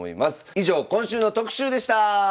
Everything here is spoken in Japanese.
以上今週の特集でした！